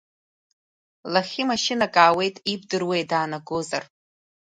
Лахьи машьынак аауеит, ибдыруеи даанагозар.